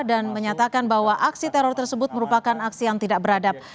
dan menyatakan bahwa aksi teror tersebut merupakan aksi yang tidak beradab